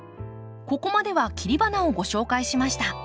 ここまでは切り花をご紹介しました。